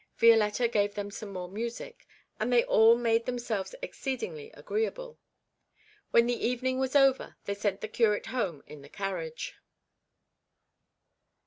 Violetta gave them some more music; and they all made themselves exceedingly agreeable. When the evening was over they sent the curate home in the carriage.